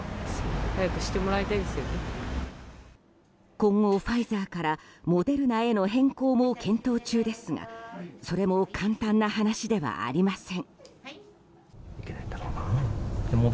今後、ファイザーからモデルナへの変更も検討中ですがそれも簡単な話ではありません。